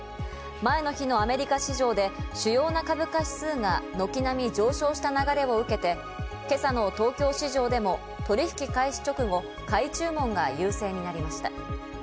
前の日のアメリカ市場で主要な株価指数が軒並み上昇した流れを受けて、今朝の東京市場でも取引開始直後、買い注文が優勢になりました。